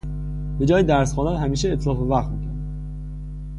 بهجای درس خواندن همیشه اتلاف وقت میکرد.